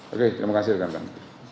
oke terima kasih rekan rekan